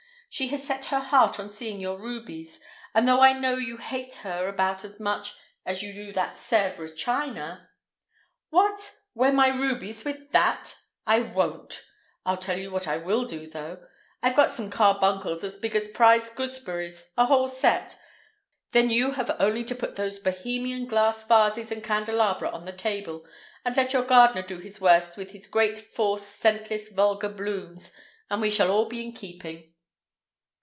She has set her heart on seeing your rubies, and though I know you hate her about as much as you do that Sèvres china—" "What! Wear my rubies with that! I won't. I'll tell you what I will do, though. I've got some carbuncles as big as prize gooseberries, a whole set. Then you have only to put those Bohemian glass vases and candelabra on the table, and let your gardener do his worst with his great forced, scentless, vulgar blooms, and we shall all be in keeping."